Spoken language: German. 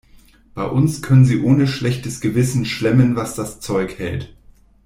Bei uns können sie ohne schlechtes Gewissen schlemmen, was das Zeug hält.